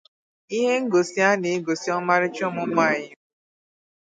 Ihe ngosi a na-egosi ọmarịcha ụmụ nwanyị Igbo.